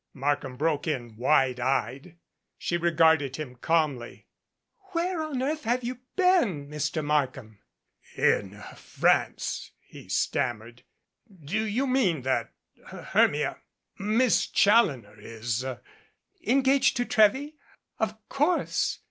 Markham broke in, wide eyed. She regarded him calmly. "Where on earth have you been, Mr. Markham?" "In France," he stammered. "Do you mean that Hermia Miss Challoner is " "Engaged to Trewy? Of course.